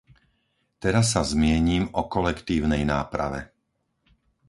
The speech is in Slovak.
Teraz sa zmienim o kolektívnej náprave.